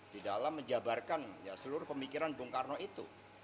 di dalam menjabarkan seluruh pemikiran bung karno itu